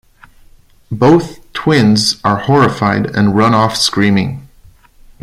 Both twins are horrified and run off screaming.